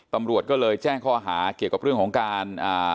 ตำรวจก็เลยแจ้งข้อหาเกี่ยวกับเรื่องของการอ่า